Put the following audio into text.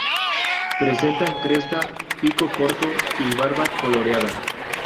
Presentan cresta, pico corto y barba coloreada.